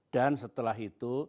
dan setelah itu